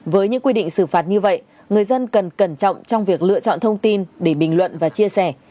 với những quy định xử phạt như vậy người dân cần cẩn trọng trong việc lựa chọn thông tin để bình luận và chia sẻ